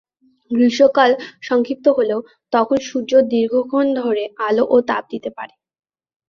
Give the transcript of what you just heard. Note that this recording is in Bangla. গ্রীষ্মকাল সংক্ষিপ্ত হলেও তখন সূর্য দীর্ঘক্ষণ ধরে আলো ও তাপ দিতে পারে।